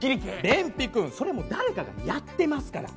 便秘くんそれはもう誰かがやってますから。